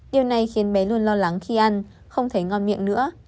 điều này khiến bé luôn lo lắng khi ăn không thấy ngon miệng nữa